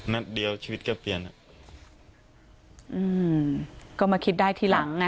นัดเดียวชีวิตก็เปลี่ยนอ่ะอืมก็มาคิดได้ทีหลังไง